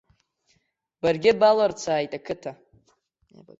Баргьы балырцааит ақыҭа.